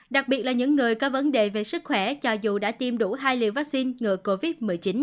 đặc biệt là những người có vấn đề về sức khỏe cho dù đã tiêm đủ hai liều vaccine ngừa covid một mươi chín